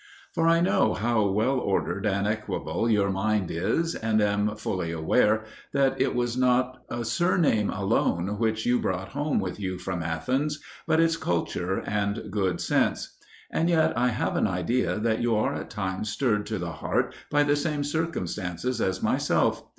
For I know how well ordered and equable your mind is, and am fully aware that it was not a surname alone which you brought home with you from Athens, but its culture and good sense. And yet I have an idea that you are at times stirred to the heart by the same circumstances as myself.